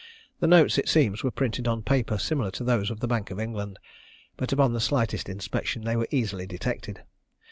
The notes, it seems, were printed on paper similar to those of the Bank of England; but upon the slightest inspection they were easily detected.